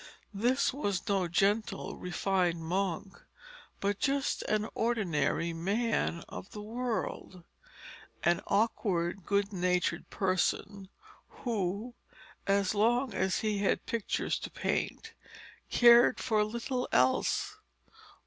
This was no gentle, refined monk, but just an ordinary man of the world an awkward, good natured person, who, as long as he had pictures to paint, cared for little else.